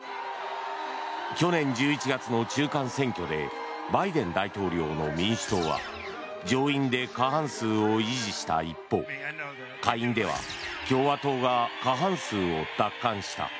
去年１１月の中間選挙でバイデン大統領の民主党は上院で過半数を維持した一方下院では共和党が過半数を奪還した。